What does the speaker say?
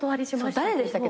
誰でしたっけ？